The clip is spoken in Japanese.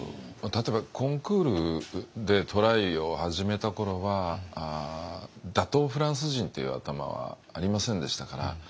例えばコンクールでトライを始めた頃は打倒フランス人っていう頭はありませんでしたから。